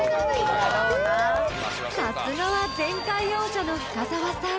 ［さすがは前回王者の深澤さん